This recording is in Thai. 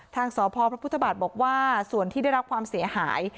ทางสพพระพุทธบาทบอกว่าส่วนที่ได้รับความเสียหาย